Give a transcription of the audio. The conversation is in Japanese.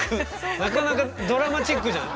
なかなかドラマチックじゃない。